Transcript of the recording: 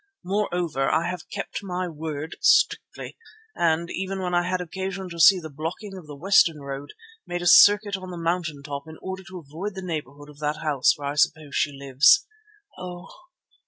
Moreover, I have kept my word strictly and, even when I had occasion to see to the blocking of the western road, made a circuit on the mountain top in order to avoid the neighbourhood of that house where I suppose she lives. Oh!